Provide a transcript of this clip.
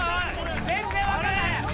全然分からへん